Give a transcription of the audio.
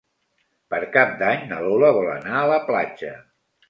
Per Cap d'Any na Lola vol anar a la platja.